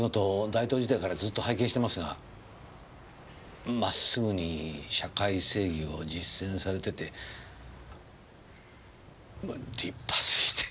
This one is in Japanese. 大東時代からずっと拝見してますが真っ直ぐに社会正義を実践されてて立派すぎて。